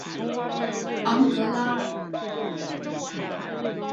昂格拉尔。